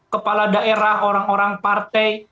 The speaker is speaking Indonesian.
kepala daerah orang orang partai